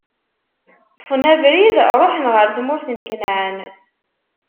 Ṭṭfen abrid, ṛuḥen ɣer tmurt n Kanɛan.